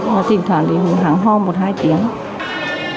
và viêm phế quản viêm phổi